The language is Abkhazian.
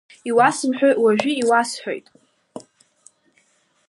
Иуасымҳәои, уажәы, иуасҳәоит.